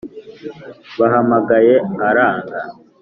Bahamagaye aranga